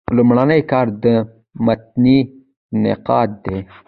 لومړنی کار د متني نقاد دﺉ.